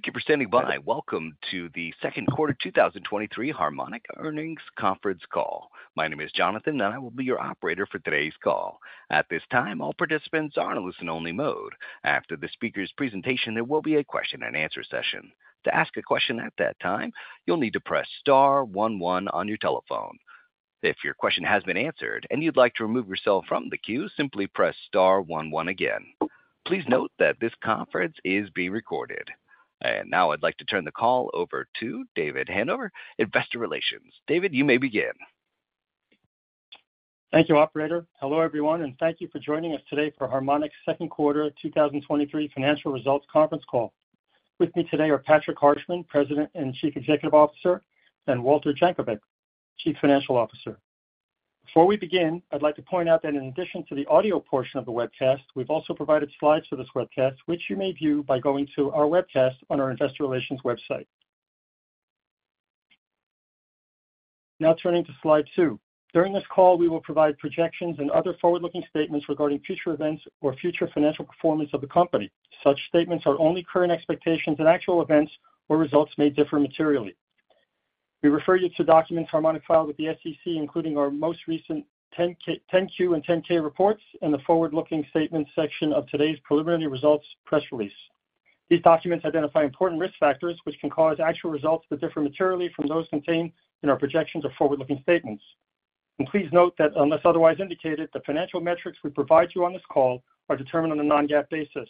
Thank you for standing by. Welcome to the 2Q 2023 Harmonic Earnings Conference Call. My name is Jonathan, I will be your operator for today's call. At this time, all participants are in a listen only mode. After the speaker's presentation, there will be a question and answer session. To ask a question at that time, you'll need to press star 11 on your telephone. If your question has been answered and you'd like to remove yourself from the queue, simply press star 11 again. Please note that this conference is being recorded. Now I'd like to turn the call over to David Hanover, Investor Relations. David, you may begin. Thank you, operator. Hello, everyone. Thank you for joining us today for Harmonic's second quarter 2023 financial results conference call. With me today are Patrick Harshman, President and Chief Executive Officer, and Walter Jankovic, Chief Financial Officer. Before we begin, I'd like to point out that in addition to the audio portion of the webcast, we've also provided slides for this webcast, which you may view by going to our webcast on our investor relations website. Turning to slide two. During this call, we will provide projections and other forward-looking statements regarding future events or future financial performance of the company. Such statements are only current expectations, and actual events or results may differ materially. We refer you to documents Harmonic filed with the SEC, including our most recent 10-K-- 10-Q and 10-K reports, and the forward-looking statements section of today's preliminary results press release. These documents identify important risk factors, which can cause actual results to differ materially from those contained in our projections of forward-looking statements. Please note that unless otherwise indicated, the financial metrics we provide you on this call are determined on a non-GAAP basis.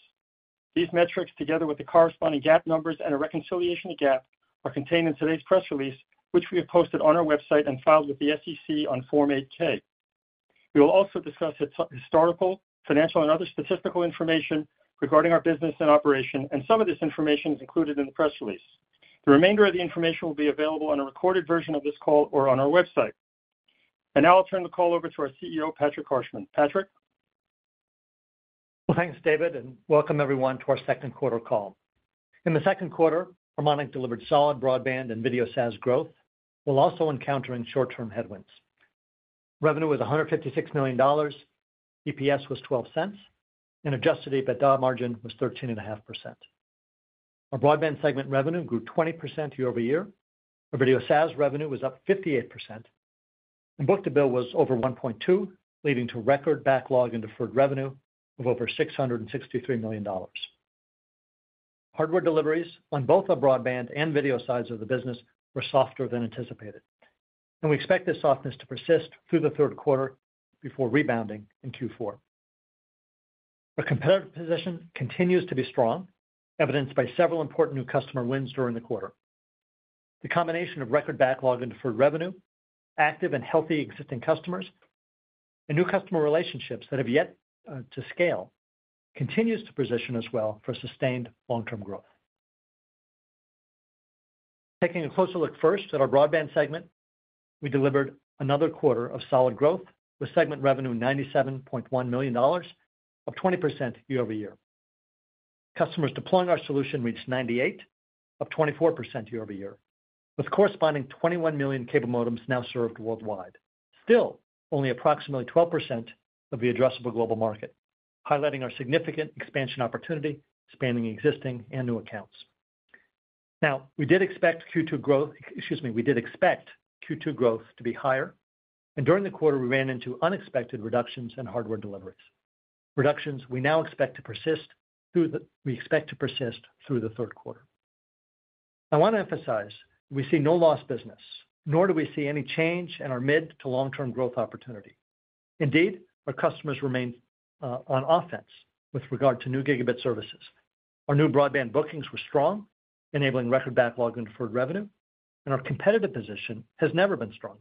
These metrics, together with the corresponding GAAP numbers and a reconciliation to GAAP, are contained in today's press release, which we have posted on our website and filed with the SEC on Form 8-K. We will also discuss some historical, financial, and other statistical information regarding our business and operation, some of this information is included in the press release. The remainder of the information will be available on a recorded version of this call or on our website. Now I'll turn the call over to our CEO, Patrick Harshman. Patrick? Well, thanks, David, welcome everyone to our second quarter call. In the second quarter, Harmonic delivered solid broadband and video SaaS growth, while also encountering short-term headwinds. Revenue was $156 million, EPS was $0.12, adjusted EBITDA margin was 13.5%. Our broadband segment revenue grew 20% year-over-year. Our video SaaS revenue was up 58%, book-to-bill was over 1.2, leading to record backlog and deferred revenue of over $663 million. Hardware deliveries on both the broadband and video sides of the business were softer than anticipated, we expect this softness to persist through the third quarter before rebounding in Q4. Our competitive position continues to be strong, evidenced by several important new customer wins during the quarter. The combination of record backlog and deferred revenue, active and healthy existing customers, and new customer relationships that have yet to scale, continues to position us well for sustained long-term growth. Taking a closer look first at our broadband segment, we delivered another quarter of solid growth, with segment revenue $97.1 million, up 20% year-over-year. Customers deploying our solution reached 98, up 24% year-over-year, with corresponding 21 million cable modems now served worldwide. Still, only approximately 12% of the addressable global market, highlighting our significant expansion opportunity, expanding existing and new accounts. We did expect Q2 growth to be higher, and during the quarter, we ran into unexpected reductions in hardware deliveries. Reductions we now expect to persist through the third quarter. I want to emphasize we see no lost business, nor do we see any change in our mid to long-term growth opportunity. Indeed, our customers remain on offense with regard to new gigabit services. Our new broadband bookings were strong, enabling record backlog and deferred revenue, and our competitive position has never been stronger.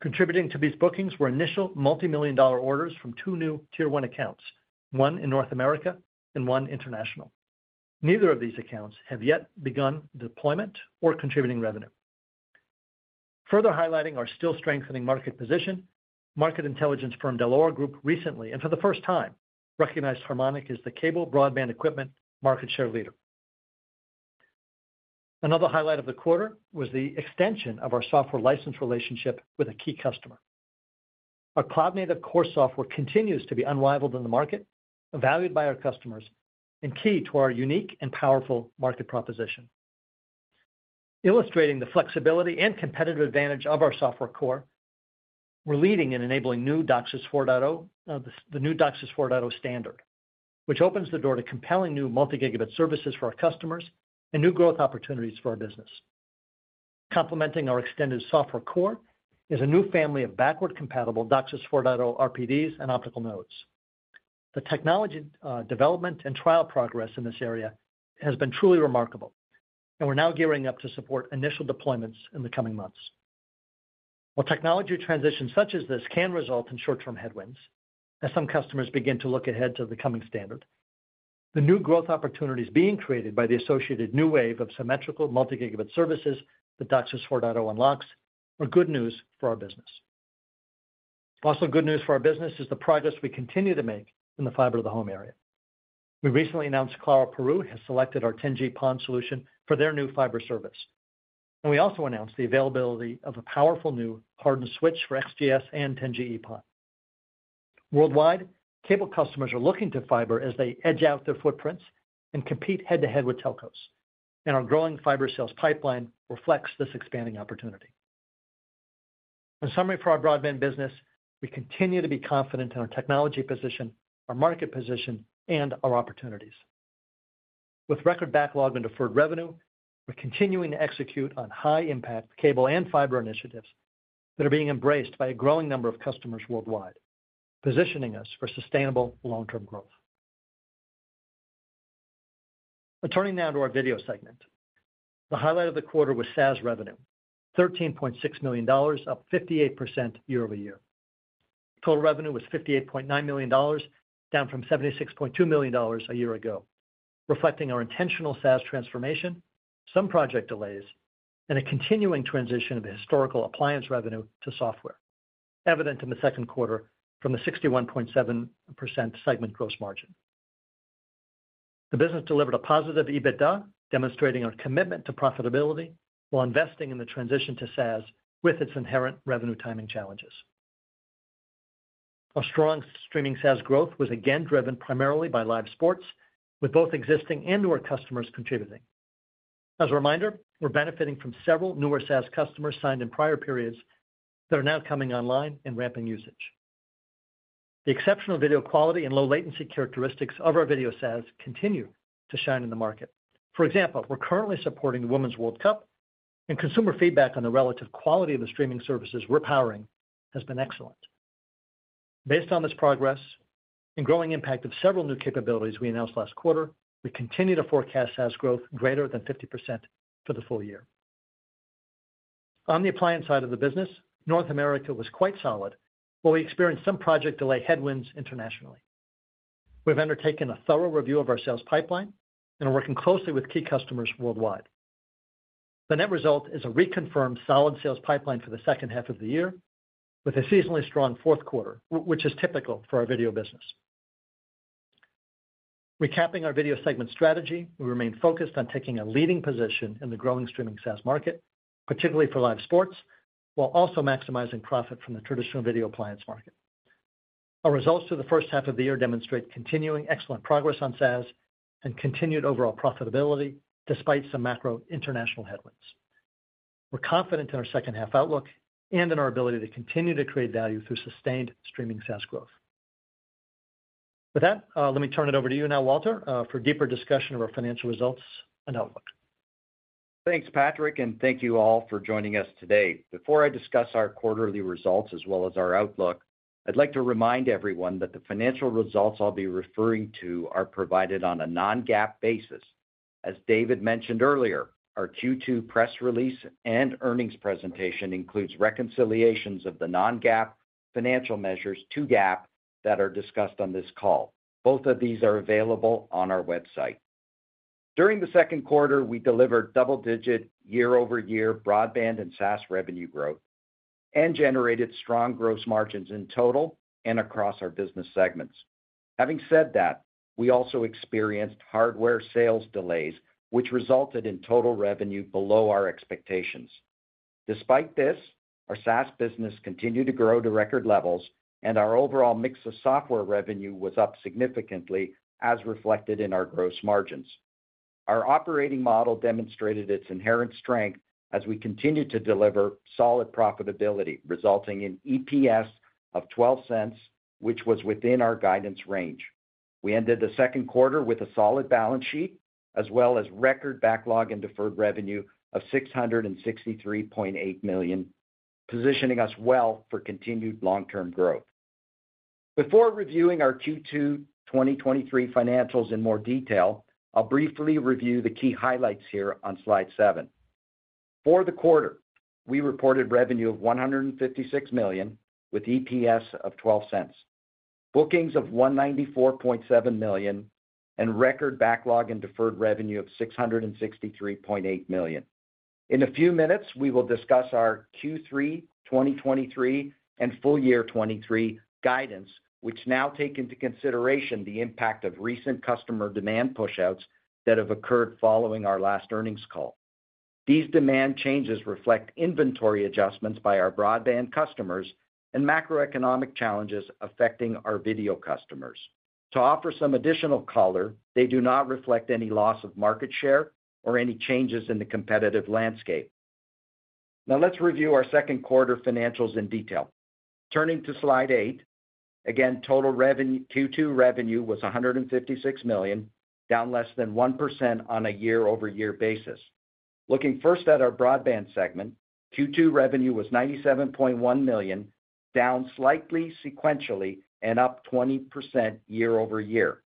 Contributing to these bookings were initial multimillion-dollar orders from two new tier one accounts, one in North America and one international. Neither of these accounts have yet begun deployment or contributing revenue. Further highlighting our still strengthening market position, market intelligence firm Dell'Oro Group recently, and for the first time, recognized Harmonic as the cable broadband equipment market share leader. Another highlight of the quarter was the extension of our software license relationship with a key customer. Our cloud-native core software continues to be unrivaled in the market, valued by our customers, and key to our unique and powerful market proposition. Illustrating the flexibility and competitive advantage of our software core, we're leading in enabling new DOCSIS 4.0, the new DOCSIS 4.0 standard, which opens the door to compelling new multi-gigabit services for our customers and new growth opportunities for our business. Complementing our extended software core is a new family of backward-compatible DOCSIS 4.0 RPDs and optical nodes. The technology, development and trial progress in this area has been truly remarkable, and we're now gearing up to support initial deployments in the coming months. While technology transitions such as this can result in short-term headwinds, as some customers begin to look ahead to the coming standard, the new growth opportunities being created by the associated new wave of symmetrical multi-gigabit services that DOCSIS 4.0 unlocks are good news for our business. Good news for our business is the progress we continue to make in the Fiber to the Home area. We recently announced Claro Perú has selected our 10G PON solution for their new fiber service, and we also announced the availability of a powerful new hardened switch for XGS and 10G-EPON. Worldwide, cable customers are looking to fiber as they edge out their footprints and compete head-to-head with telcos, and our growing fiber sales pipeline reflects this expanding opportunity. In summary, for our broadband business, we continue to be confident in our technology position, our market position, and our opportunities. With record backlog and deferred revenue, we're continuing to execute on high-impact cable and fiber initiatives that are being embraced by a growing number of customers worldwide, positioning us for sustainable long-term growth. Turning now to our video segment. The highlight of the quarter was SaaS revenue, $13.6 million, up 58% year-over-year. Total revenue was $58.9 million, down from $76.2 million a year ago, reflecting our intentional SaaS transformation, some project delays, and a continuing transition of historical appliance revenue to software, evident in the second quarter from a 61.7% segment gross margin. The business delivered a positive EBITDA, demonstrating our commitment to profitability while investing in the transition to SaaS with its inherent revenue timing challenges. Our strong streaming SaaS growth was again driven primarily by live sports, with both existing and newer customers contributing. As a reminder, we're benefiting from several newer SaaS customers signed in prior periods that are now coming online and ramping usage. The exceptional video quality and low latency characteristics of our video SaaS continue to shine in the market. For example, we're currently supporting the Women's World Cup, and consumer feedback on the relative quality of the streaming services we're powering has been excellent. Based on this progress and growing impact of several new capabilities we announced last quarter, we continue to forecast SaaS growth greater than 50% for the full year. On the appliance side of the business, North America was quite solid, while we experienced some project delay headwinds internationally. We've undertaken a thorough review of our sales pipeline and are working closely with key customers worldwide. The net result is a reconfirmed solid sales pipeline for the second half of the year, with a seasonally strong fourth quarter, which is typical for our video business. Recapping our video segment strategy, we remain focused on taking a leading position in the growing streaming SaaS market, particularly for live sports, while also maximizing profit from the traditional video appliance market. Our results for the first half of the year demonstrate continuing excellent progress on SaaS and continued overall profitability, despite some macro international headwinds. We're confident in our second half outlook and in our ability to continue to create value through sustained streaming SaaS growth. With that, let me turn it over to you now, Walter, for deeper discussion of our financial results and outlook. Thanks, Patrick. Thank you all for joining us today. Before I discuss our quarterly results as well as our outlook, I'd like to remind everyone that the financial results I'll be referring to are provided on a non-GAAP basis. As David mentioned earlier, our Q2 press release and earnings presentation includes reconciliations of the non-GAAP financial measures to GAAP that are discussed on this call. Both of these are available on our website. During the second quarter, we delivered double-digit year-over-year broadband and SaaS revenue growth and generated strong gross margins in total and across our business segments. Having said that, we also experienced hardware sales delays, which resulted in total revenue below our expectations. Despite this, our SaaS business continued to grow to record levels, and our overall mix of software revenue was up significantly, as reflected in our gross margins. Our operating model demonstrated its inherent strength as we continued to deliver solid profitability, resulting in EPS of $0.12, which was within our guidance range. We ended the second quarter with a solid balance sheet, as well as record backlog and deferred revenue of $663.8 million, positioning us well for continued long-term growth. Before reviewing our Q2 2023 financials in more detail, I'll briefly review the key highlights here on slide seven. For the quarter, we reported revenue of $156 million, with EPS of $0.12, bookings of $194.7 million, and record backlog and deferred revenue of $663.8 million. In a few minutes, we will discuss our Q3 2023 and full year 23 guidance, which now take into consideration the impact of recent customer demand pushouts that have occurred following our last earnings call. These demand changes reflect inventory adjustments by our broadband customers and macroeconomic challenges affecting our video customers. To offer some additional color, they do not reflect any loss of market share or any changes in the competitive landscape. Let's review our second quarter financials in detail. Turning to Slide 8, again, total Q2 revenue was $156 million, down less than 1% on a year-over-year basis. Looking first at our broadband segment, Q2 revenue was $97.1 million, down slightly sequentially and up 20% year-over-year.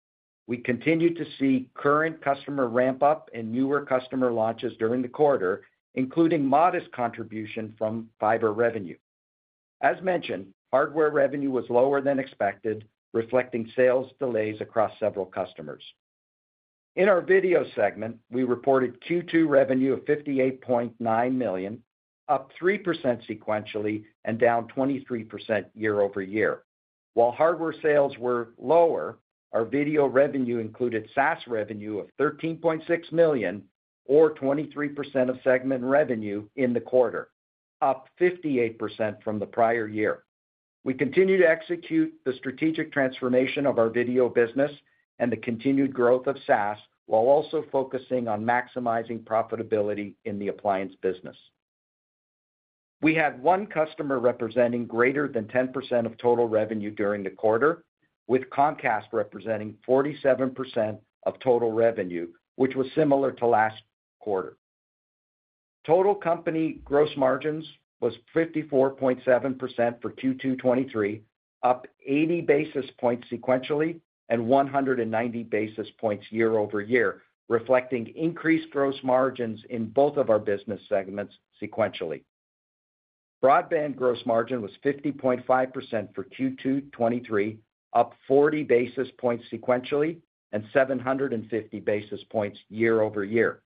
We continued to see current customer ramp-up and newer customer launches during the quarter, including modest contribution from fiber revenue. As mentioned, hardware revenue was lower than expected, reflecting sales delays across several customers. In our video segment, we reported Q2 revenue of $58.9 million, up 3% sequentially and down 23% year-over-year. While hardware sales were lower, our video revenue included SaaS revenue of $13.6 million, or 23% of segment revenue in the quarter, up 58% from the prior year. We continue to execute the strategic transformation of our video business and the continued growth of SaaS, while also focusing on maximizing profitability in the appliance business. We had 1 customer representing greater than 10% of total revenue during the quarter, with Comcast representing 47% of total revenue, which was similar to last quarter. Total company gross margins was 54.7% for Q2 2023, up 80 basis points sequentially and 190 basis points year-over-year, reflecting increased gross margins in both of our business segments sequentially. Broadband gross margin was 50.5% for Q2 2023, up 40 basis points sequentially and 750 basis points year-over-year.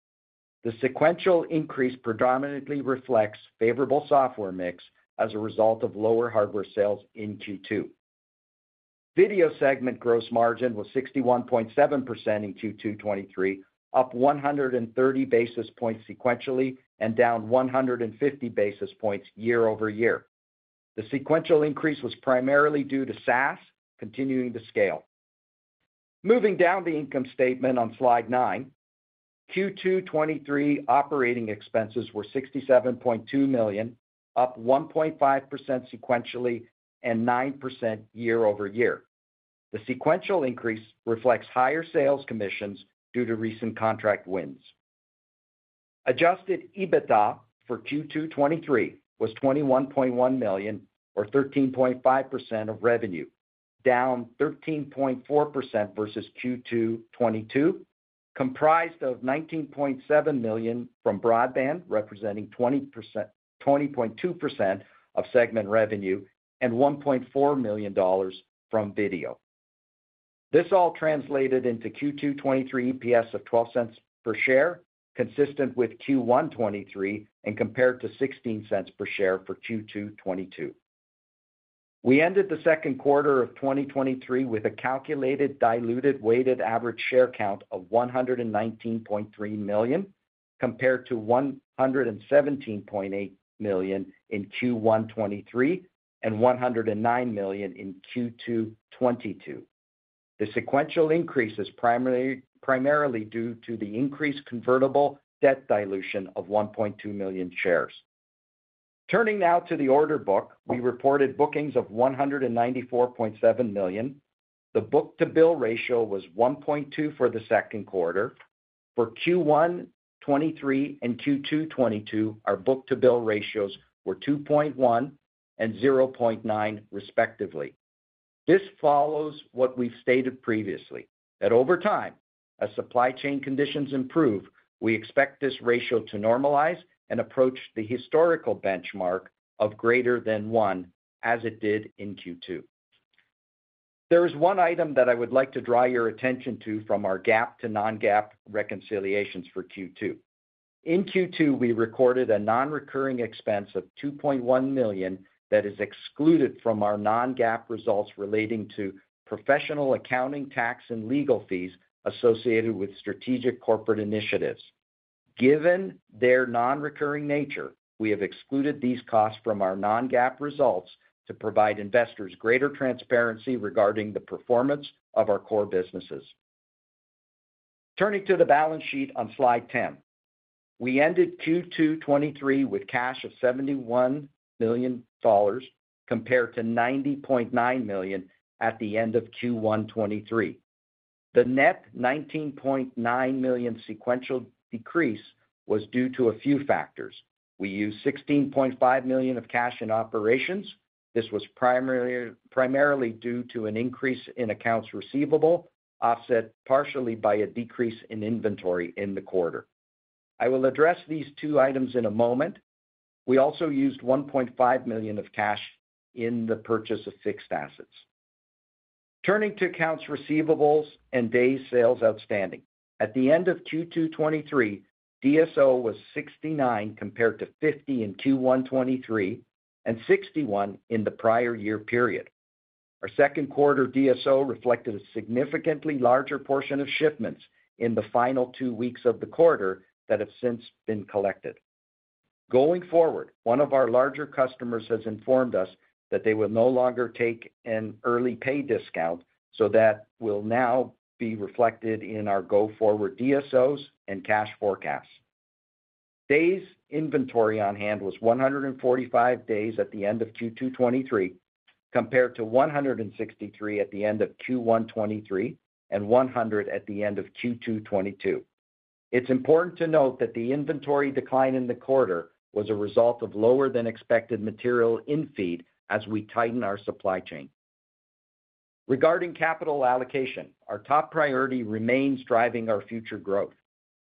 The sequential increase predominantly reflects favorable software mix as a result of lower hardware sales in Q2. Video segment gross margin was 61.7% in Q2 2023, up 130 basis points sequentially and down 150 basis points year-over-year. The sequential increase was primarily due to SaaS continuing to scale. Moving down the income statement on slide nine, Q2 2023 operating expenses were $67.2 million, up 1.5% sequentially and 9% year-over-year. The sequential increase reflects higher sales commissions due to recent contract wins. Adjusted EBITDA for Q2 2023 was $21.1 million, or 13.5% of revenue, down 13.4% versus Q2 2022, comprised of $19.7 million from broadband, representing 20%-20.2% of segment revenue, and $1.4 million from video. This all translated into Q2 2023 EPS of $0.12 per share, consistent with Q1 2023 and compared to $0.16 per share for Q2 2022. We ended the second quarter of 2023 with a calculated, diluted weighted average share count of $119.3 million, compared to $117.8 million in Q1 2023 and $109 million in Q2 2022. The sequential increase is primarily, primarily due to the increased convertible debt dilution of $1.2 million shares. Turning now to the order book. We reported bookings of $194.7 million. The book-to-bill ratio was 1.2 for the second quarter. For Q1 2023 and Q2 2022, our book-to-bill ratios were 2.1 and 0.9, respectively. This follows what we've stated previously, that over time, as supply chain conditions improve, we expect this ratio to normalize and approach the historical benchmark of greater than 1, as it did in Q2. There is one item that I would like to draw your attention to from our GAAP to non-GAAP reconciliations for Q2. In Q2, we recorded a non-recurring expense of $2.1 million that is excluded from our non-GAAP results, relating to professional accounting, tax, and legal fees associated with strategic corporate initiatives. Given their non-recurring nature, we have excluded these costs from our non-GAAP results to provide investors greater transparency regarding the performance of our core businesses. Turning to the balance sheet on Slide 10, we ended Q2 2023 with cash of $71 million, compared to $90.9 million at the end of Q1 2023. The net $19.9 million sequential decrease was due to a few factors. We used $16.5 million of cash in operations. This was primarily, primarily due to an increase in accounts receivable, offset partially by a decrease in inventory in the quarter. I will address these 2 items in a moment. We also used $1.5 million of cash in the purchase of fixed assets. Turning to accounts receivables and days sales outstanding. At the end of Q2 2023, DSO was 69, compared to 50 in Q1 2023 and 61 in the prior year period. Our second quarter DSO reflected a significantly larger portion of shipments in the final 2 weeks of the quarter that have since been collected. Going forward, one of our larger customers has informed us that they will no longer take an early pay discount, so that will now be reflected in our go-forward DSOs and cash forecasts. Days inventory on hand was 145 days at the end of Q2 2023, compared to 163 at the end of Q1 2023 and 100 at the end of Q2 2022. It's important to note that the inventory decline in the quarter was a result of lower-than-expected material in feed as we tighten our supply chain. Regarding capital allocation, our top priority remains driving our future growth.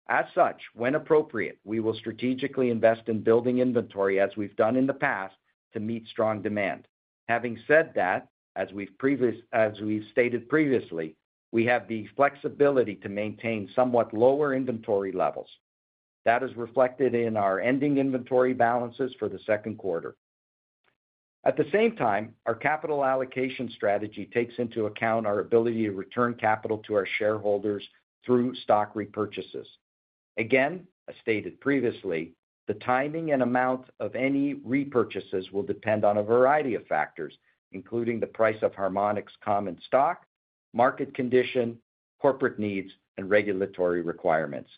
As such, when appropriate, we will strategically invest in building inventory, as we've done in the past, to meet strong demand. Having said that, as we've stated previously, we have the flexibility to maintain somewhat lower inventory levels. That is reflected in our ending inventory balances for the second quarter. At the same time, our capital allocation strategy takes into account our ability to return capital to our shareholders through stock repurchases. As stated previously, the timing and amount of any repurchases will depend on a variety of factors, including the price of Harmonic's common stock, market condition, corporate needs, and regulatory requirements.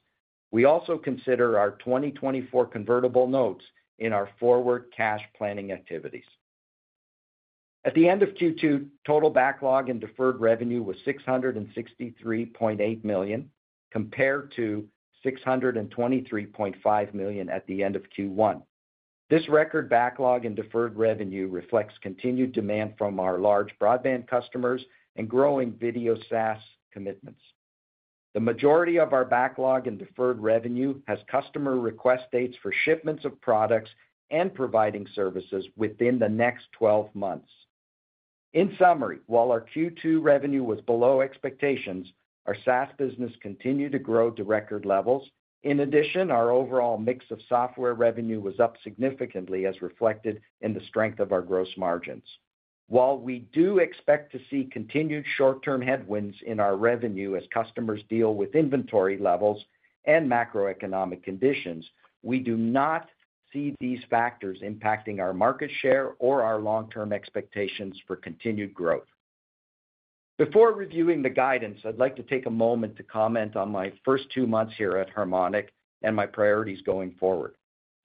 We also consider our 2024 convertible notes in our forward cash planning activities. At the end of Q2, total backlog and deferred revenue was $663.8 million, compared to $623.5 million at the end of Q1. This record backlog in deferred revenue reflects continued demand from our large broadband customers and growing video SaaS commitments. The majority of our backlog and deferred revenue has customer request dates for shipments of products and providing services within the next 12 months. In summary, while our Q2 revenue was below expectations, our SaaS business continued to grow to record levels. Our overall mix of software revenue was up significantly, as reflected in the strength of our gross margins. While we do expect to see continued short-term headwinds in our revenue as customers deal with inventory levels and macroeconomic conditions, we do not see these factors impacting our market share or our long-term expectations for continued growth. Before reviewing the guidance, I'd like to take a moment to comment on my first two months here at Harmonic and my priorities going forward.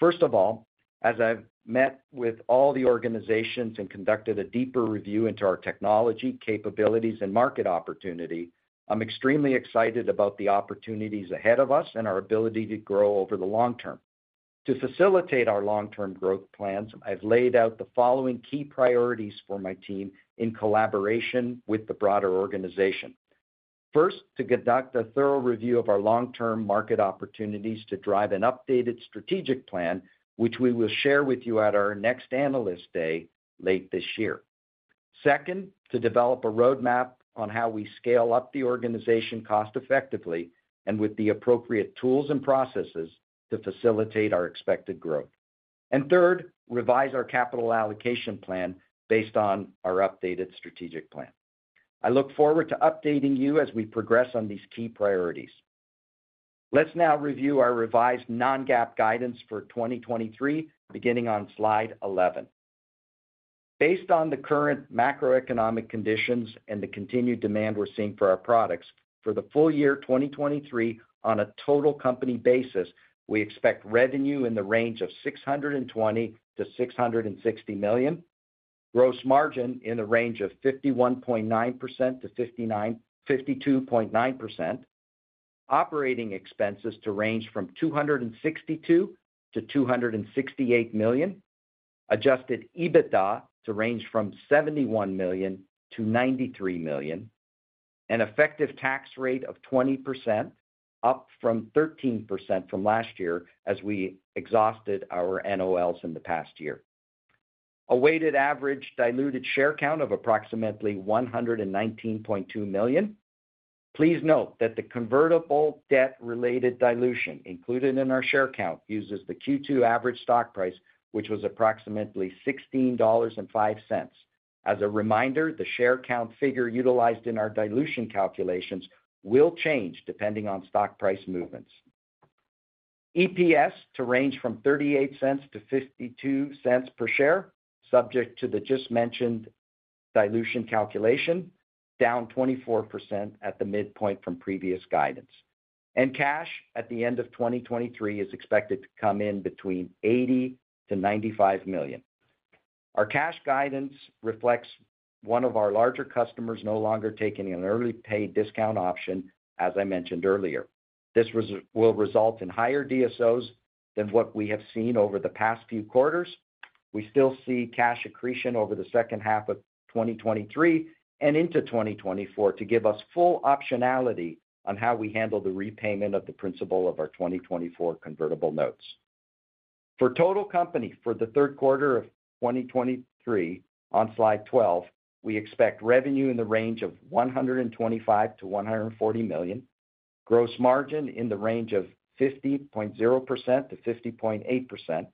First of all, as I've met with all the organizations and conducted a deeper review into our technology, capabilities, and market opportunity, I'm extremely excited about the opportunities ahead of us and our ability to grow over the long term. To facilitate our long-term growth plans, I've laid out the following key priorities for my team in collaboration with the broader organization. First, to conduct a thorough review of our long-term market opportunities to drive an updated strategic plan, which we will share with you at our next Analyst Day, late this year. Second, to develop a roadmap on how we scale up the organization cost effectively and with the appropriate tools and processes to facilitate our expected growth. Third, revise our capital allocation plan based on our updated strategic plan. I look forward to updating you as we progress on these key priorities. Let's now review our revised non-GAAP guidance for 2023, beginning on slide 11. Based on the current macroeconomic conditions and the continued demand we're seeing for our products, for the full year 2023, on a total company basis, we expect revenue in the range of $620 million-$660 million. Gross margin in the range of 51.9%-52.9%. Operating expenses to range from $262 million-$268 million. Adjusted EBITDA to range from $71 million-$93 million. An effective tax rate of 20%, up from 13% from last year as we exhausted our NOLs in the past year. A weighted average diluted share count of approximately 119.2 million. Please note that the convertible debt-related dilution included in our share count uses the Q2 average stock price, which was approximately $16.05. As a reminder, the share count figure utilized in our dilution calculations will change depending on stock price movements. EPS to range from $0.38-$0.52 per share, subject to the just-mentioned dilution calculation, down 24% at the midpoint from previous guidance. Cash at the end of 2023 is expected to come in between $80 million-$95 million. Our cash guidance reflects one of our larger customers no longer taking an early pay discount option, as I mentioned earlier. This will result in higher DSOs than what we have seen over the past few quarters. We still see cash accretion over the second half of 2023 and into 2024 to give us full optionality on how we handle the repayment of the principal of our 2024 convertible notes. For total company, for the third quarter of 2023, on slide 12, we expect revenue in the range of $125 million-$140 million. Gross margin in the range of 50.0%-50.8%.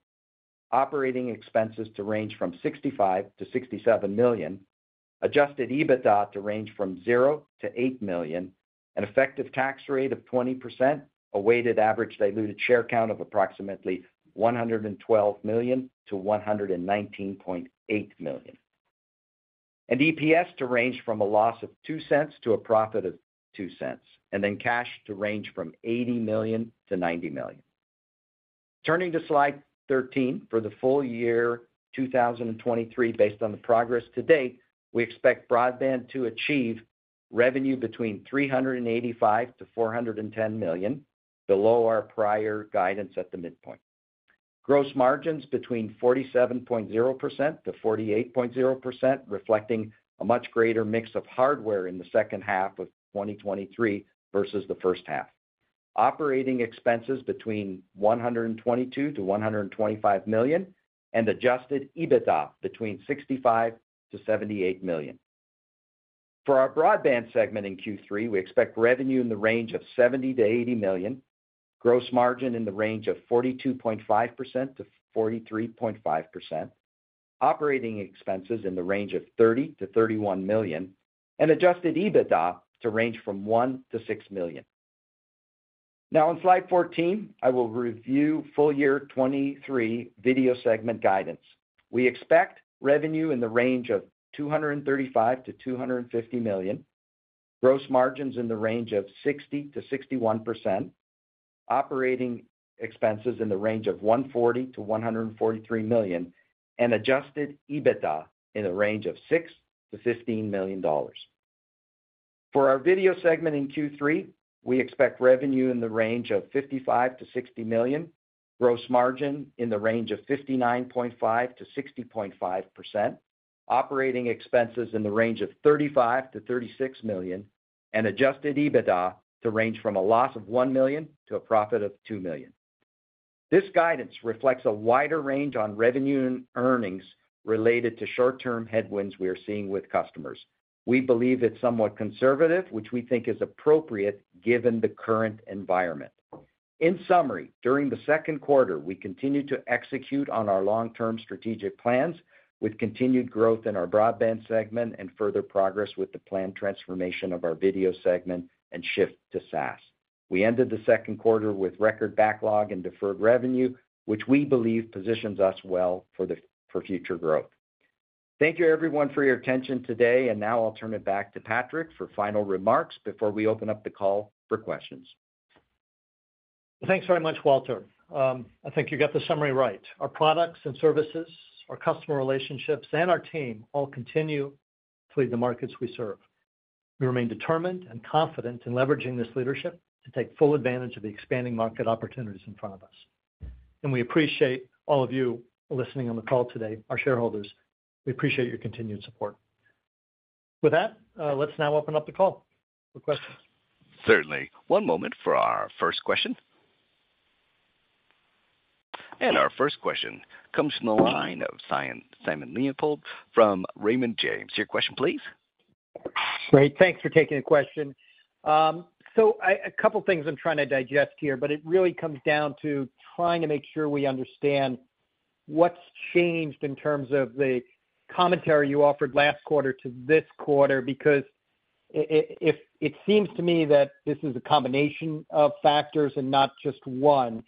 Operating expenses to range from $65 million-$67 million. Adjusted EBITDA to range from $0-$8 million. An effective tax rate of 20%. A weighted average diluted share count of approximately 112 million-119.8 million. EPS to range from a loss of $0.02 to a profit of $0.02, cash to range from $80 million-$90 million. Turning to slide 13, for the full year 2023, based on the progress to date, we expect broadband to achieve revenue between $385 million-$410 million, below our prior guidance at the midpoint. Gross margins between 47.0%-48.0%, reflecting a much greater mix of hardware in the second half of 2023 versus the first half. Operating expenses between $122 million-$125 million, and adjusted EBITDA between $65 million-$78 million. For our broadband segment in Q3, we expect revenue in the range of $70 million-$80 million, gross margin in the range of 42.5%-43.5%, operating expenses in the range of $30 million-$31 million, and adjusted EBITDA to range from $1 million-$6 million. Now, on slide 14, I will review full year 2023 video segment guidance. We expect revenue in the range of $235 million-$250 million, gross margins in the range of 60%-61%, operating expenses in the range of $140 million-$143 million, and adjusted EBITDA in the range of $6 million-$15 million. For our video segment in Q3, we expect revenue in the range of $55 million-$60 million, gross margin in the range of 59.5%-60.5%, operating expenses in the range of $35 million-$36 million, and adjusted EBITDA to range from a loss of $1 million to a profit of $2 million. This guidance reflects a wider range on revenue and earnings related to short-term headwinds we are seeing with customers. We believe it's somewhat conservative, which we think is appropriate given the current environment. In summary, during the second quarter, we continued to execute on our long-term strategic plans with continued growth in our broadband segment and further progress with the planned transformation of our video segment and shift to SaaS. We ended the second quarter with record backlog and deferred revenue, which we believe positions us well for the, for future growth. Thank you, everyone, for your attention today. Now I'll turn it back to Patrick for final remarks before we open up the call for questions. Thanks very much, Walter. I think you got the summary right. Our products and services, our customer relationships, and our team all continue to lead the markets we serve. We remain determined and confident in leveraging this leadership to take full advantage of the expanding market opportunities in front of us. We appreciate all of you listening on the call today, our shareholders, we appreciate your continued support. With that, let's now open up the call for questions. Certainly. One moment for our first question. Our first question comes from the line of Simon, Simon Leopold from Raymond James. Your question, please. Great. Thanks for taking the question. I a couple of things I'm trying to digest here, but it really comes down to trying to make sure we understand what's changed in terms of the commentary you offered last quarter to this quarter, because it seems to me that this is a combination of factors and not just one.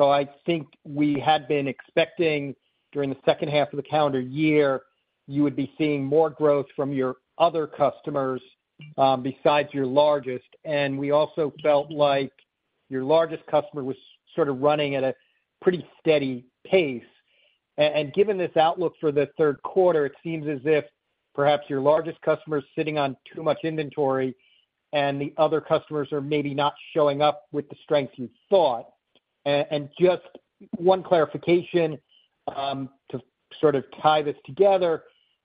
I think we had been expecting during the second half of the calendar year, you would be seeing more growth from your other customers, besides your largest. We also felt like your largest customer was sort of running at a pretty steady pace. Given this outlook for the third quarter, it seems as if perhaps your largest customer is sitting on too much inventory, and the other customers are maybe not showing up with the strength you thought. Just one clarification, to sort of tie this together,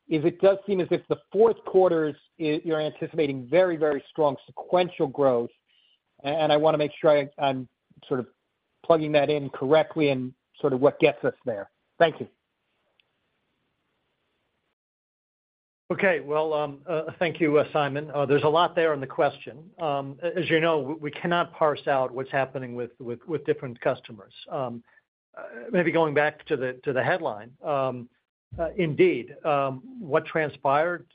is it does seem as if the fourth quarter is, you're anticipating very, very strong sequential growth. I want to make sure I, I'm sort of plugging that in correctly and sort of what gets us there. Thank you. Okay. Well, thank you, Simon. There's a lot there in the question. As you know, we cannot parse out what's happening with, with, with different customers. Maybe going back to the, to the headline. Indeed, what transpired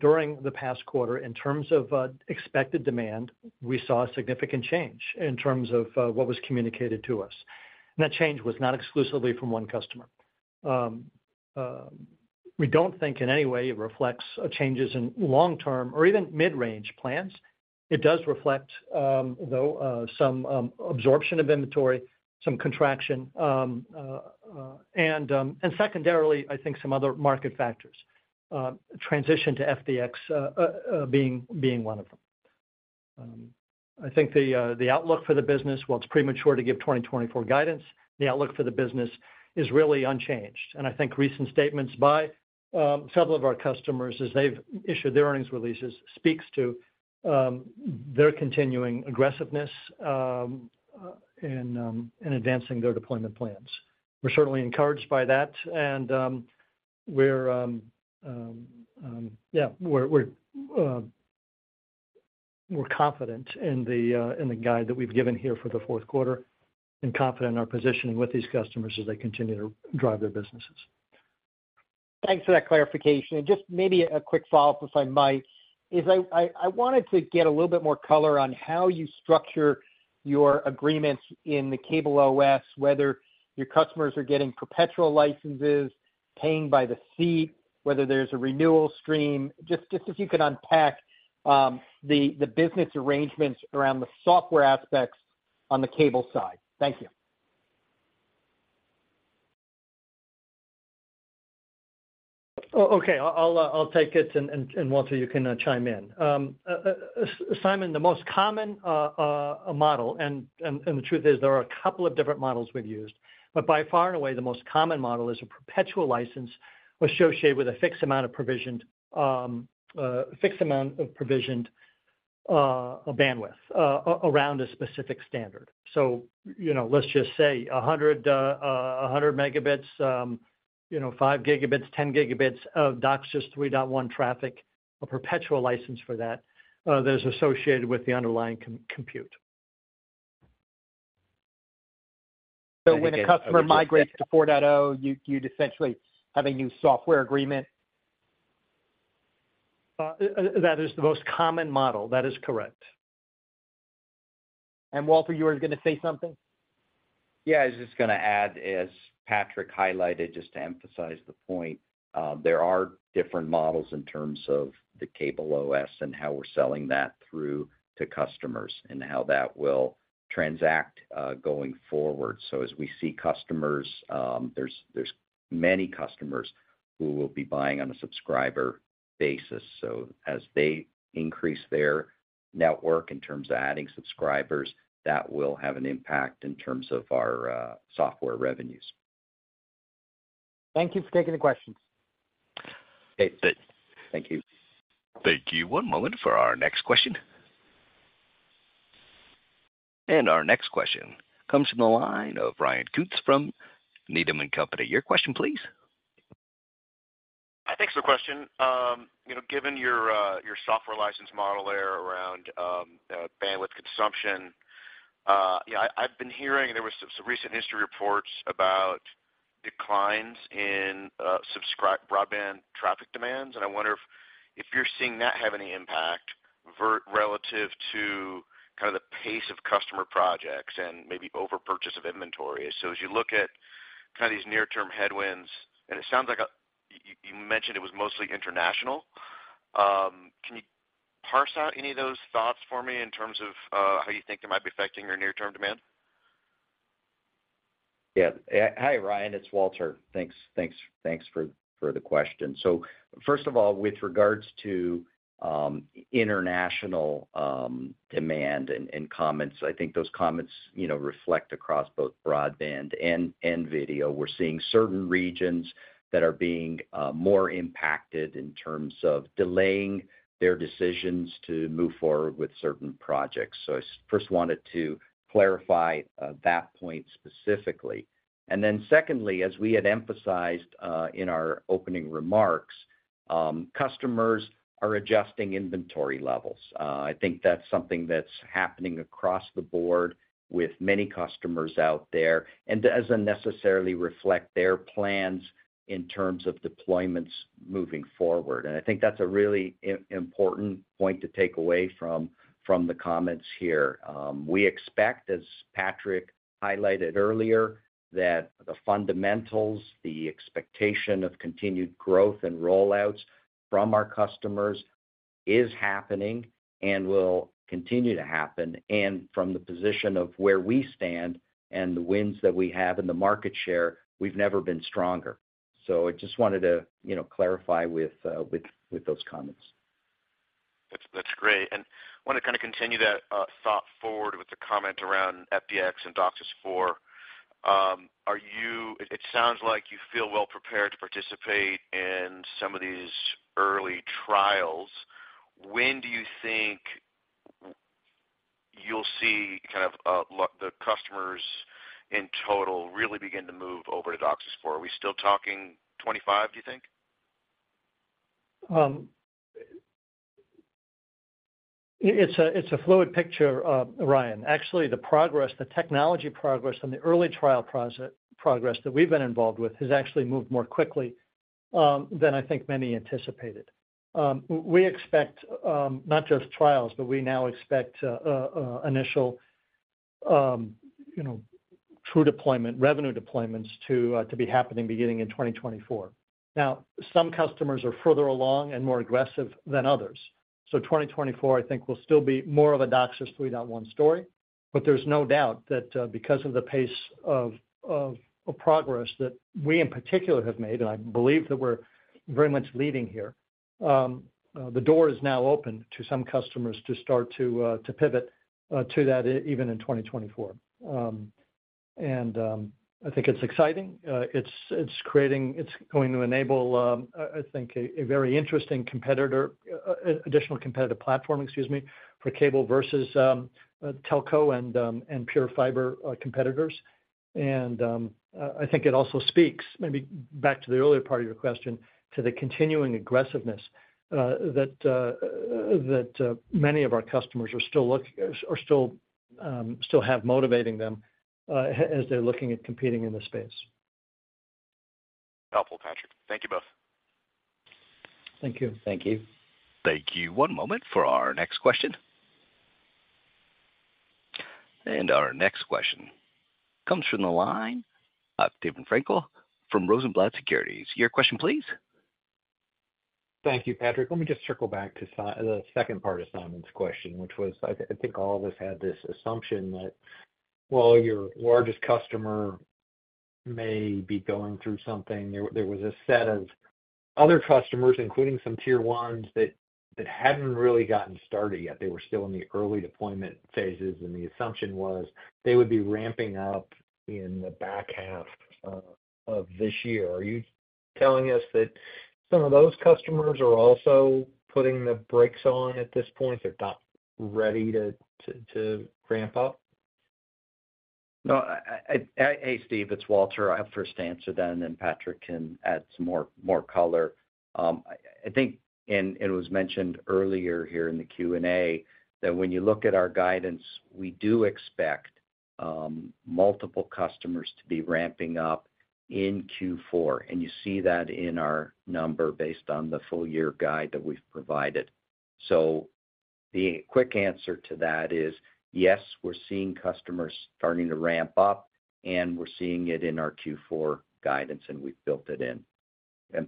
during the past quarter in terms of expected demand, we saw a significant change in terms of what was communicated to us. That change was not exclusively from one customer. We don't think in any way it reflects changes in long-term or even mid-range plans. It does reflect, though, some absorption of inventory, some contraction, and secondarily, I think some other market factors, transition to FDX being one of them. I think the outlook for the business, while it's premature to give 2024 guidance, the outlook for the business is really unchanged. I think recent statements by several of our customers, as they've issued their earnings releases, speaks to their continuing aggressiveness in advancing their deployment plans. We're certainly encouraged by that, and we're confident in the guide that we've given here for the 4th quarter and confident in our positioning with these customers as they continue to drive their businesses. Thanks for that clarification. Just maybe a quick follow-up, if I might, I wanted to get a little bit more color on how you structure your agreements in the CableOS, whether your customers are getting perpetual licenses, paying by the seat, whether there's a renewal stream. Just, just if you could unpack, the, the business arrangements around the software aspects on the cable side. Thank you. Oh, okay. I'll, I'll take it, and, and, Walter, you can chime in. Simon, the most common model, and, and, and the truth is there are a couple of different models we've used, but by far and away, the most common model is a perpetual license associated with a fixed amount of provisioned, fixed amount of provisioned-... a bandwidth, around a specific standard. So, you know, let's just say 100, 100 megabits, you know, 5 gigabits, 10 gigabits of DOCSIS 3.1 traffic, a perpetual license for that, that is associated with the underlying compute. When a customer migrates to 4.0, you, you'd essentially have a new software agreement? That is the most common model. That is correct. Walter, you were going to say something? Yeah, I was just going to add, as Patrick highlighted, just to emphasize the point, there are different models in terms of the CableOS and how we're selling that through to customers and how that will transact, going forward. As we see customers, there's, there's many customers who will be buying on a subscriber basis. As they increase their network in terms of adding subscribers, that will have an impact in terms of our software revenues. Thank you for taking the questions. Okay. Thank you. Thank you. One moment for our next question. Our next question comes from the line of Ryan Koontz from Needham & Company. Your question, please. Thanks for the question. You know, given your, your software license model there around bandwidth consumption, yeah, I, I've been hearing there was some recent history reports about declines in subscriber broadband traffic demands, and I wonder if, if you're seeing that have any impact vert- relative to kind of the pace of customer projects and maybe over-purchase of inventory. As you look at kind of these near-term headwinds, and it sounds like you, you mentioned it was mostly international, can you parse out any of those thoughts for me in terms of how you think it might be affecting your near-term demand? Yeah. Hi, Ryan, it's Walter. Thanks, thanks, thanks for, for the question. First of all, with regards to international demand and comments, I think those comments, you know, reflect across both broadband and video. We're seeing certain regions that are being more impacted in terms of delaying their decisions to move forward with certain projects. I first wanted to clarify that point specifically. Then secondly, as we had emphasized in our opening remarks, customers are adjusting inventory levels. I think that's something that's happening across the board with many customers out there, and it doesn't necessarily reflect their plans in terms of deployments moving forward. I think that's a really important point to take away from the comments here. We expect, as Patrick highlighted earlier, that the fundamentals, the expectation of continued growth and rollouts from our customers, is happening and will continue to happen. From the position of where we stand and the wins that we have in the market share, we've never been stronger. I just wanted to, you know, clarify with, with those comments. That's, that's great. I want to kind of continue that thought forward with the comment around FDX and DOCSIS 4. It, it sounds like you feel well prepared to participate in some of these early trials. When do you think you'll see kind of the customers in total really begin to move over to DOCSIS 4? Are we still talking 25, do you think? It's a, it's a fluid picture, Ryan. Actually, the progress, the technology progress and the early trial progress that we've been involved with, has actually moved more quickly than I think many anticipated. We, we expect not just trials, but we now expect initial, you know, true deployment, revenue deployments to be happening beginning in 2024. Some customers are further along and more aggressive than others, so 2024, I think, will still be more of a DOCSIS 3.1 story. There's no doubt that because of the pace of progress that we in particular have made, and I believe that we're very much leading here, the door is now open to some customers to start to pivot to that even in 2024. I think it's exciting. It's going to enable, I think, a very interesting competitor, additional competitive platform, excuse me, for cable versus telco and pure fiber competitors. I think it also speaks, maybe back to the earlier part of your question, to the continuing aggressiveness that many of our customers are still motivating them as they're looking at competing in this space. Helpful, Patrick. Thank you both. Thank you. Thank you. Thank you. One moment for our next question. Our next question comes from the line of David Frankel from Rosenblatt Securities. Your question, please. Thank you, Patrick. Let me just circle back to the second part of Simon's question, which was, I, I think all of us had this assumption that while your largest customer may be going through something, there, there was a set of other customers, including some tier ones, that, that hadn't really gotten started yet. They were still in the early deployment phases, and the assumption was they would be ramping up in the back half of this year. Are telling us that some of those customers are also putting the brakes on at this point? They're not ready to ramp up? No, I, I Hey, Steve, it's Walter. I'll first answer then, and Patrick can add some more, more color. I think, and it was mentioned earlier here in the Q&A, that when you look at our guidance, we do expect multiple customers to be ramping up in Q4, and you see that in our number based on the full year guide that we've provided. The quick answer to that is, yes, we're seeing customers starting to ramp up, and we're seeing it in our Q4 guidance, and we've built it in.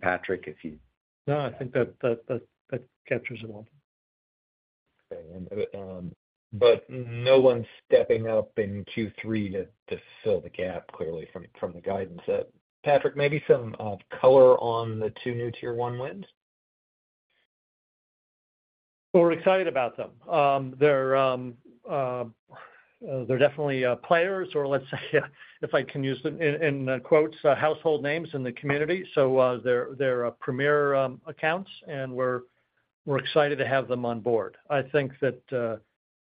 Patrick, if you- No, I think that, that, that, captures it well. Okay. No one's stepping up in Q3 to fill the gap, clearly, from the guidance that. Patrick, maybe some color on the two new Tier One wins? We're excited about them. They're, they're definitely players, or let's say, if I can use them in, in quotes, household names in the community. They're, they're premier accounts, and we're, we're excited to have them on board. I think that,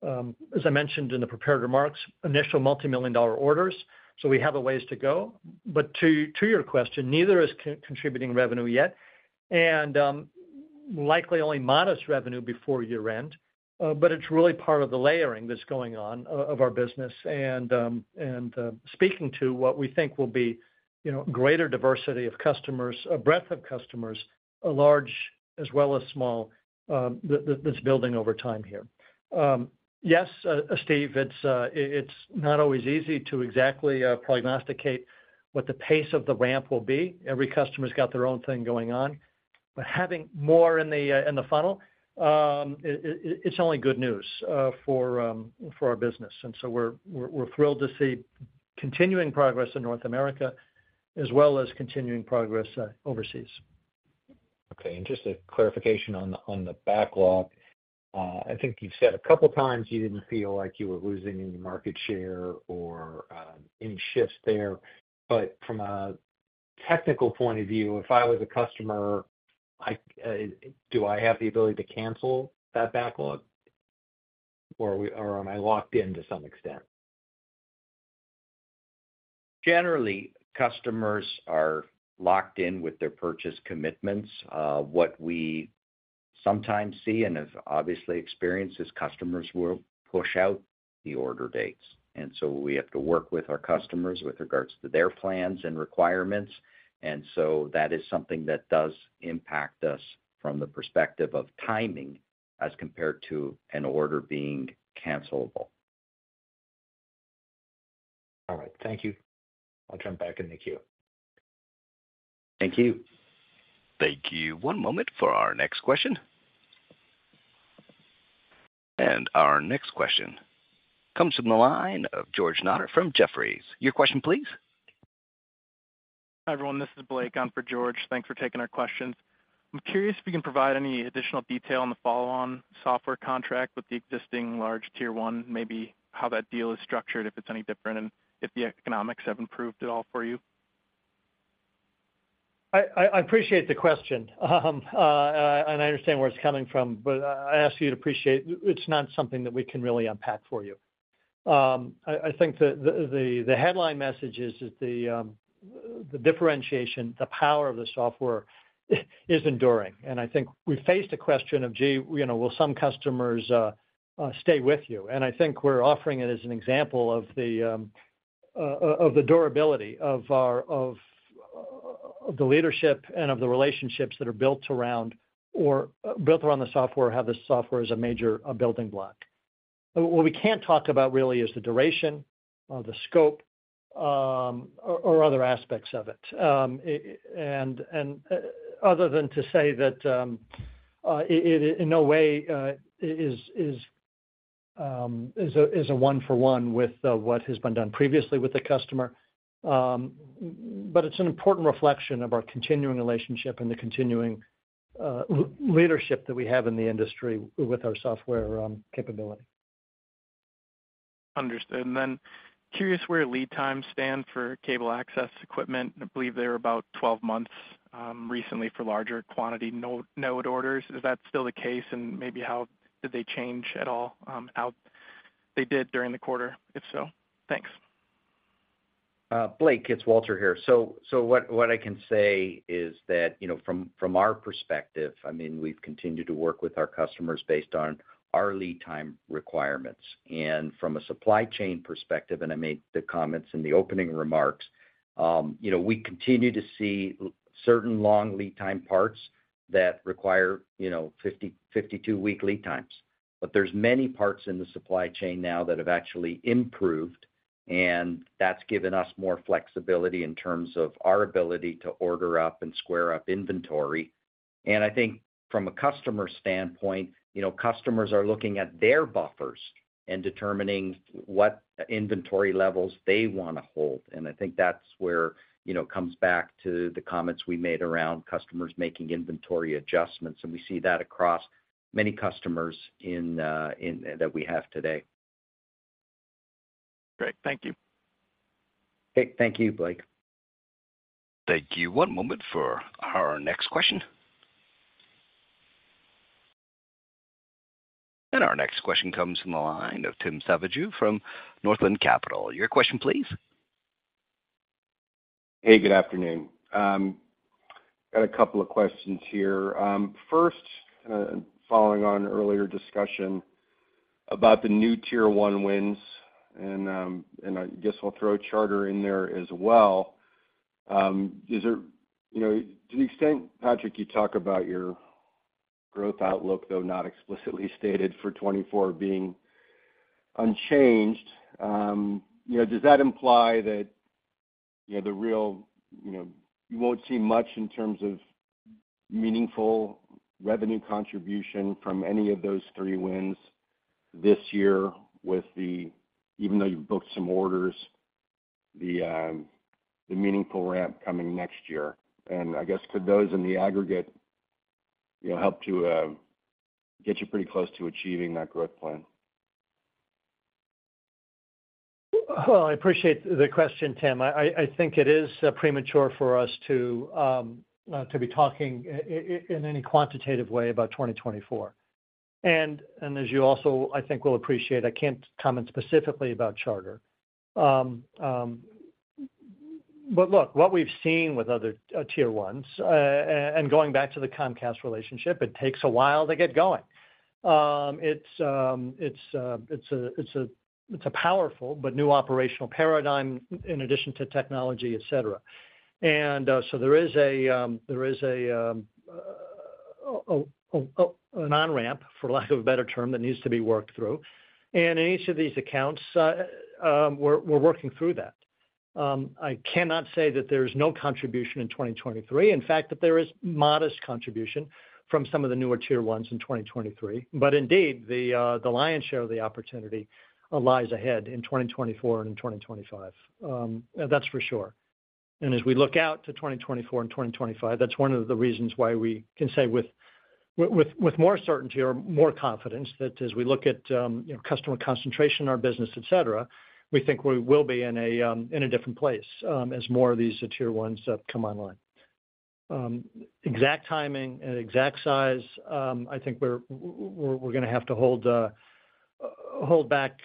as I mentioned in the prepared remarks, initial multimillion-dollar orders, so we have a ways to go. To, to your question, neither is con- contributing revenue yet, and, likely only modest revenue before year-end. It's really part of the layering that's going on o- of our business and, and speaking to what we think will be, you know, greater diversity of customers, a breadth of customers, large as well as small, that, that's building over time here. Yes, Steve, it's not always easy to exactly prognosticate what the pace of the ramp will be. Every customer's got their own thing going on. Having more in the funnel, it, it, it's only good news for our business. We're, we're thrilled to see continuing progress in North America, as well as continuing progress overseas. Okay, just a clarification on the, on the backlog. I think you've said a couple times you didn't feel like you were losing any market share or, any shifts there. From a technical point of view, if I was a customer, I, do I have the ability to cancel that backlog, or am I locked in to some extent? Generally, customers are locked in with their purchase commitments. What we sometimes see and have obviously experienced, is customers will push out the order dates. We have to work with our customers with regards to their plans and requirements. That is something that does impact us from the perspective of timing as compared to an order being cancelable. All right. Thank you. I'll turn back in the queue. Thank you. Thank you. One moment for our next question. Our next question comes from the line of George Notter from Jefferies. Your question, please. Hi, everyone. This is Blake. I'm for George. Thanks for taking our questions. I'm curious if you can provide any additional detail on the follow-on software contract with the existing large Tier One, maybe how that deal is structured, if it's any different, and if the economics have improved at all for you? I, I, I appreciate the question, and I understand where it's coming from, but I ask you to appreciate it's not something that we can really unpack for you. I, I think the, the, the headline message is that the differentiation, the power of the software is enduring. I think we faced a question of, gee, you know, will some customers stay with you? I think we're offering it as an example of the durability of our, of, of the leadership and of the relationships that are built around or built around the software, or have the software as a major, a building block. What we can't talk about really is the duration, the scope, or other aspects of it. Other than to say that, it, in no way, is a one for one with what has been done previously with the customer. It's an important reflection of our continuing relationship and the continuing leadership that we have in the industry with our software capability. Understood. Then curious where lead times stand for cable access equipment. I believe they were about 12 months recently for larger quantity node orders. Is that still the case? Maybe how did they change at all, how they did during the quarter, if so? Thanks. Blake, it's Walter here. What I can say is that, you know, from, from our perspective, I mean, we've continued to work with our customers based on our lead time requirements. From a supply chain perspective, and I made the comments in the opening remarks, you know, we continue to see certain long lead time parts that require, you know, 50, 52-week lead times. There's many parts in the supply chain now that have actually improved, and that's given us more flexibility in terms of our ability to order up and square up inventory. I think from a customer standpoint, you know, customers are looking at their buffers and determining what inventory levels they want to hold. I think that's where, you know, comes back to the comments we made around customers making inventory adjustments, and we see that across many customers that we have today. Great. Thank you. Okay, thank you, Blake. Thank you. One moment for our next question. Our next question comes from the line of Tim Savageau from Northland Capital. Your question, please. Hey, good afternoon. Got a couple of questions here. First, following on earlier discussion about the new tier one wins, and I guess I'll throw Charter in there as well. Is there, you know, to the extent, Patrick, you talk about your growth outlook, though not explicitly stated, for 2024 being unchanged, you know, does that imply that, you know, the real, you know, you won't see much in terms of meaningful revenue contribution from any of those 3 wins this year even though you've booked some orders, the meaningful ramp coming next year? I guess could those in the aggregate, you know, help to get you pretty close to achieving that growth plan? Well, I appreciate the question, Tim. I, I think it is premature for us to be talking in any quantitative way about 2024. As you also, I think, will appreciate, I can't comment specifically about Charter. Look, what we've seen with other tier ones, and going back to the Comcast relationship, it takes a while to get going. It's a powerful but new operational paradigm in addition to technology, et cetera. There is an on-ramp, for lack of a better term, that needs to be worked through. In each of these accounts, we're working through that. I cannot say that there's no contribution in 2023. In fact, that there is modest contribution from some of the newer tier ones in 2023. Indeed, the lion's share of the opportunity lies ahead in 2024 and in 2025, that's for sure. As we look out to 2024 and 2025, that's one of the reasons why we can say with, with, with more certainty or more confidence, that as we look at, you know, customer concentration in our business, et cetera, we think we will be in a different place, as more of these tier ones come online. Exact timing and exact size, I think we're, we're, we're going to have to hold, hold back,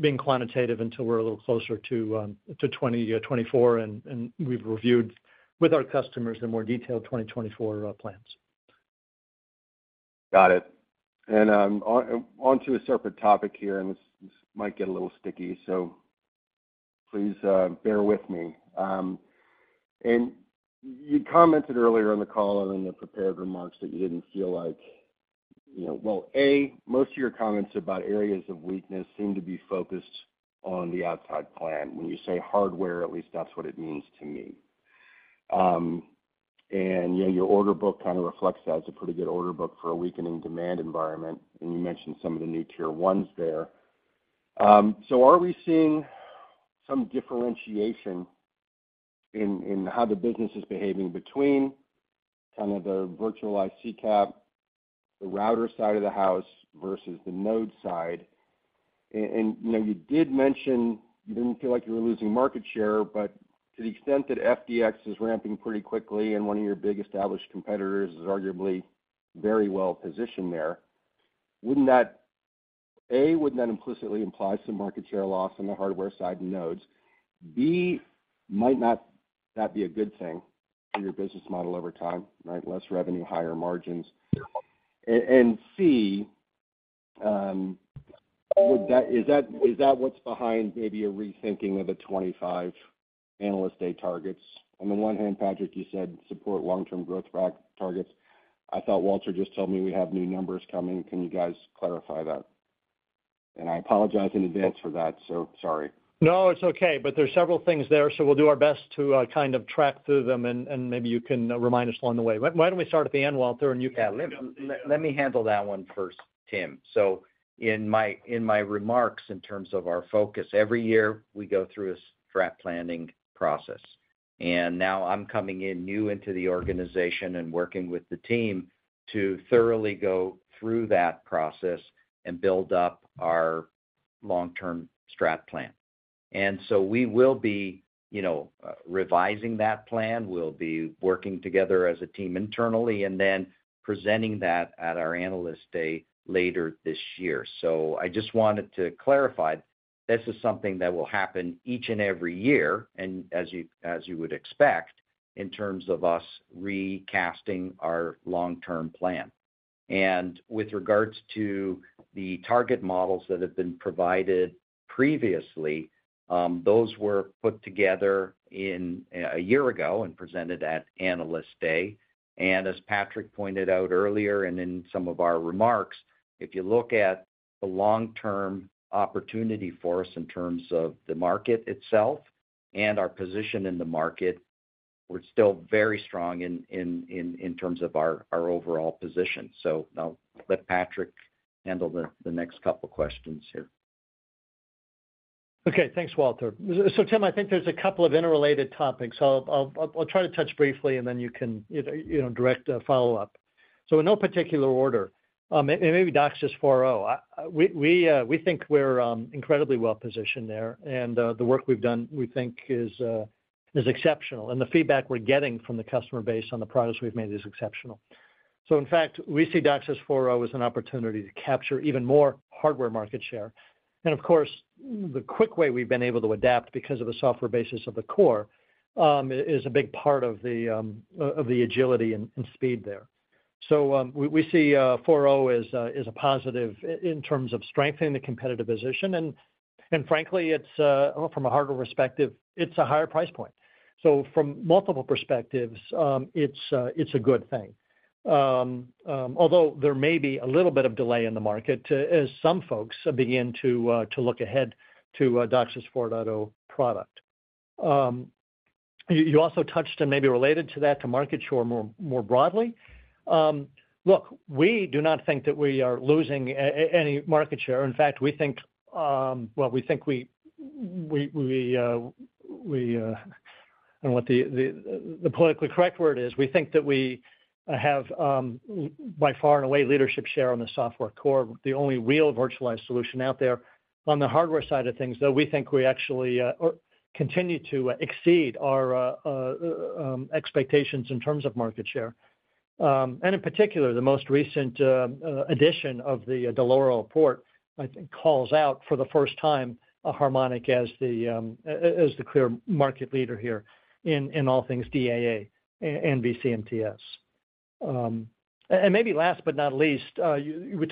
being quantitative until we're a little closer to 2024, and we've reviewed with our customers in more detailed 2024 plans. Got it. On to a separate topic here, and this, this might get a little sticky, so please bear with me. You commented earlier in the call and in the prepared remarks that you didn't feel like, you know. Well, A, most of your comments about areas of weakness seem to be focused on the outside plant. When you say hardware, at least that's what it means to me. You know, your order book kind of reflects that. It's a pretty good order book for a weakening demand environment, and you mentioned some of the new tier ones there. Are we seeing some differentiation in how the business is behaving between kind of the virtualized CCAP, the router side of the house versus the node side? You know, you did mention you didn't feel like you were losing market share, but to the extent that FDX is ramping pretty quickly and one of your big established competitors is arguably very well positioned there, wouldn't that, A, wouldn't that implicitly imply some market share loss on the hardware side in nodes? B, might not that be a good thing for your business model over time, right? Less revenue, higher margins. C, is that what's behind maybe a rethinking of the 25 Analyst Day targets? On the one hand, Patrick, you said support long-term growth back targets. I thought Walter just told me we have new numbers coming. Can you guys clarify that? I apologize in advance for that, so sorry. No, it's okay. There's several things there, so we'll do our best to kind of track through them, and, and maybe you can remind us along the way. Why, why don't we start at the end, Walter, and you can- Yeah, let me, let me handle that one first, Tim. In my, in my remarks, in terms of our focus, every year, we go through a strat planning process. Now I'm coming in new into the organization and working with the team to thoroughly go through that process and build up our long-term strat plan. We will be, you know, revising that plan. We'll be working together as a team internally, and then presenting that at our Analyst Day later this year. I just wanted to clarify, this is something that will happen each and every year, and as you, as you would expect, in terms of us recasting our long-term plan. With regards to the target models that have been provided previously, those were put together in a year ago and presented at Analyst Day. As Patrick pointed out earlier and in some of our remarks, if you look at the long-term opportunity for us in terms of the market itself and our position in the market, we're still very strong in terms of our overall position. I'll let Patrick handle the next couple questions here. Okay, thanks, Walter. Tim, I think there's a couple of interrelated topics. I'll, I'll, I'll try to touch briefly, then you can, you, you know, direct a follow-up. In no particular order, maybe DOCSIS 4.0. I, we, we think we're incredibly well positioned there, the work we've done, we think is exceptional. The feedback we're getting from the customer base on the progress we've made is exceptional. In fact, we see DOCSIS 4.0 as an opportunity to capture even more hardware market share. Of course, the quick way we've been able to adapt because of the software basis of the core, is a big part of the agility and speed there. We, we see 4.0 as a positive in terms of strengthening the competitive position. Frankly, it's from a hardware perspective, it's a higher price point. From multiple perspectives, it's a good thing. Although there may be a little bit of delay in the market as some folks begin to look ahead to DOCSIS 4.0 product. You, you also touched, and maybe related to that, to market share more, more broadly. Look, we do not think that we are losing any market share. In fact, we think, well, we think we, I don't know what the politically correct word is. We think that we have, by far and away, leadership share on the software core, the only real virtualized solution out there. On the hardware side of things, though, we think we actually continue to exceed our expectations in terms of market share. In particular, the most recent addition of the Dell'Oro report, I think, calls out for the first time, Harmonic as the clear market leader here in all things DAA and VCMTS. Maybe last but not least, You, you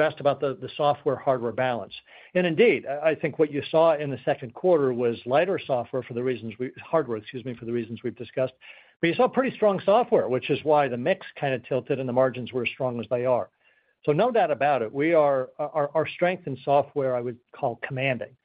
asked about the, the software, hardware balance. Indeed, I think what you saw in the second quarter was lighter software for the reasons we-- hardware, excuse me, for the reasons we've discussed. You saw pretty strong software, which is why the mix kind of tilted and the margins were as strong as they are. No doubt about it, we are, our, our strength in software, I would call commanding.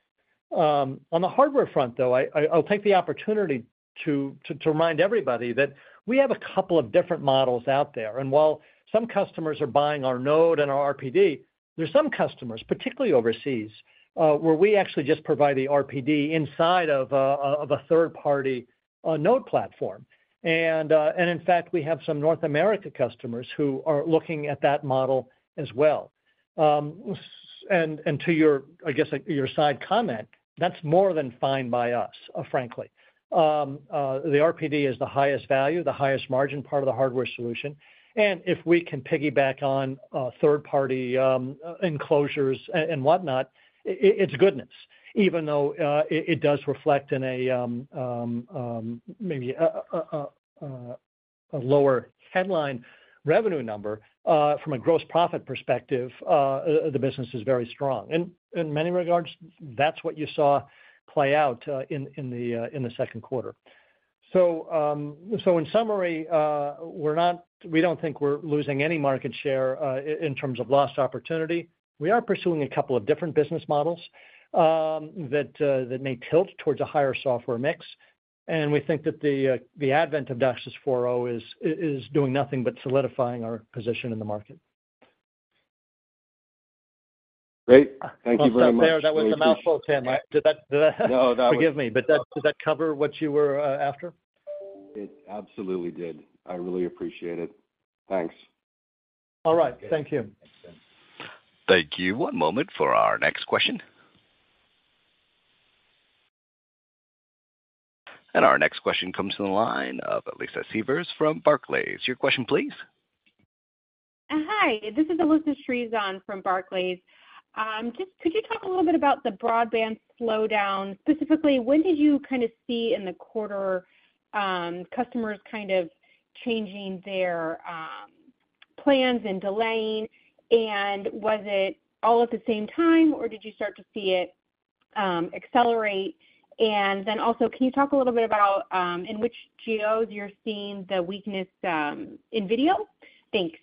On the hardware front, though, I, I'll take the opportunity to, to, to remind everybody that we have a couple of different models out there, and while some customers are buying our node and our RPD, there are some customers, particularly overseas, where we actually just provide the RPD inside of a third-party node platform. And in fact, we have some North America customers who are looking at that model as well. And to your, I guess, your side comment, that's more than fine by us, frankly. The RPD is the highest value, the highest margin part of the hardware solution, and if we can piggyback on third-party enclosures and whatnot, it's goodness. Even though it does reflect in a maybe a lower headline revenue number from a gross profit perspective, the business is very strong. In many regards, that's what you saw play out in the second quarter. In summary, we're not we don't think we're losing any market share in terms of lost opportunity. We are pursuing a couple of different business models that may tilt towards a higher software mix, and we think that the advent of DOCSIS 4.0 is doing nothing but solidifying our position in the market. Great. Thank you very much. Well, stop there. That was a mouthful, Tim, right? Did that, did that... No, that. Forgive me, but does that cover what you were after? It absolutely did. I really appreciate it. Thanks. All right. Thank you. Thank you. One moment for our next question. Our next question comes from the line of Alyssa Shreves from Barclays. Your question, please. Hi, this is Alyssa Shreves from Barclays. Just could you talk a little bit about the broadband slowdown? Specifically, when did you kind of see in the quarter, customers kind of changing their plans and delaying, and was it all at the same time, or did you start to see it accelerate? Then also, can you talk a little bit about in which geos you're seeing the weakness in video? Thanks.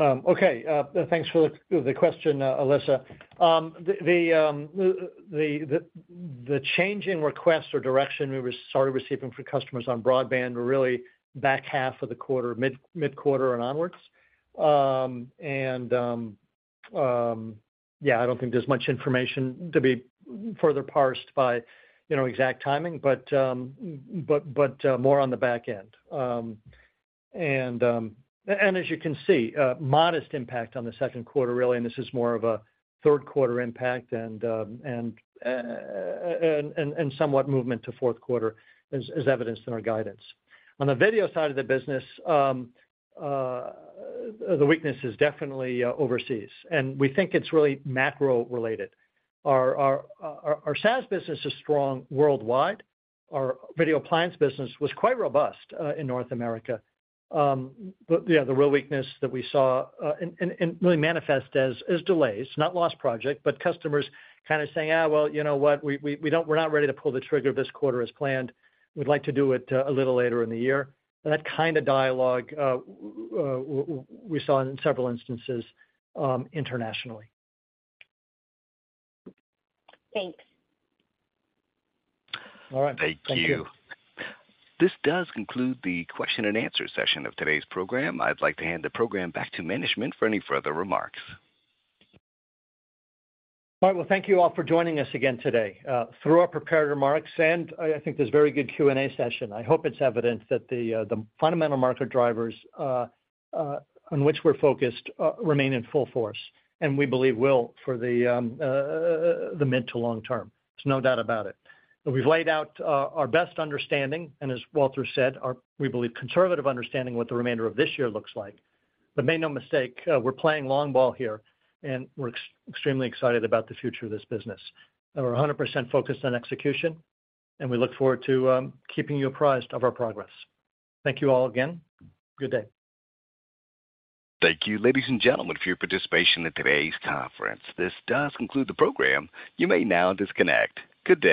Okay, thanks for the question, Alyssa. The change in requests or direction we were started receiving from customers on broadband were really back half of the quarter, mid-quarter and onwards. I don't think there's much information to be further parsed by, you know, exact timing, but more on the back end. As you can see, a modest impact on the second quarter, really, and this is more of a third quarter impact and somewhat movement to fourth quarter, as evidenced in our guidance. On the video side of the business, the weakness is definitely overseas, and we think it's really macro-related. Our SaaS business is strong worldwide. Our video appliance business was quite robust in North America. Yeah, the real weakness that we saw, and, and, and really manifest as, as delays, not lost project, but customers kind of saying, "Ah, well, you know what? We, we, we don't-- we're not ready to pull the trigger this quarter as planned. We'd like to do it a little later in the year." That kind of dialogue, we, we saw in several instances, internationally. Thanks. All right. Thank you. This does conclude the question and answer session of today's program. I'd like to hand the program back to management for any further remarks. All right. Well, thank you all for joining us again today. Through our prepared remarks, and I, I think this very good Q&A session, I hope it's evident that the fundamental market drivers on which we're focused remain in full force, and we believe will for the mid to long term. There's no doubt about it. We've laid out our best understanding, and as Walter said, our, we believe, conservative understanding of what the remainder of this year looks like. Make no mistake, we're playing long ball here, and we're extremely excited about the future of this business. We're 100% focused on execution, and we look forward to keeping you apprised of our progress. Thank you all again. Good day. Thank you, ladies and gentlemen, for your participation in today's conference. This does conclude the program. You may now disconnect. Good day.